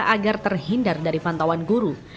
agar terhindar dari pantauan guru